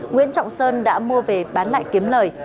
nguyễn trọng sơn đã mua về bán lại kiếm lời